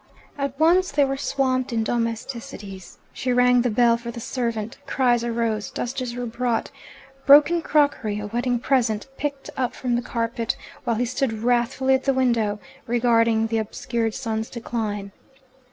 At once they were swamped in domesticities. She rang the bell for the servant, cries arose, dusters were brought, broken crockery (a wedding present) picked up from the carpet; while he stood wrathfully at the window, regarding the obscured sun's decline.